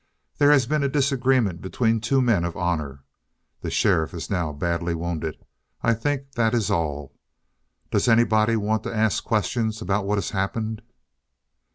There has been a disagreement between two men of honor. The sheriff is now badly wounded. I think that is all. Does anybody want to ask questions about what has happened?"